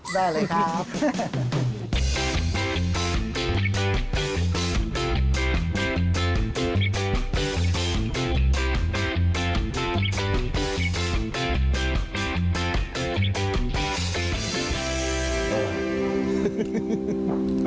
ได้เลยครับ